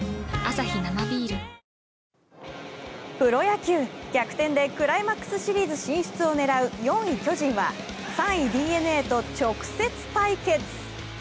プロ野球、逆転でクライマックスシリーズ進出を狙う４位巨人は、３位ＤｅＮＡと直接対決。